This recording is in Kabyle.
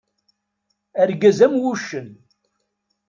Argaz-a am wuccen.